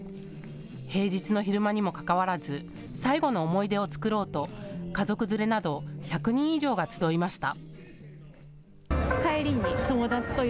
平日の昼間にもかかわらず最後の思い出を作ろうと家族連れなど１００人以上が集いました。